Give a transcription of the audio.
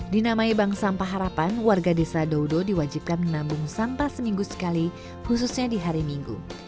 di nama bang sampah harapan warga desa dodo diwajibkan menabung sampah seminggu sekali khususnya di hari minggu